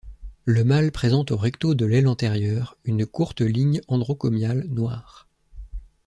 Le mâle présente au recto de l'aile antérieure une courte ligne androcomiale noire.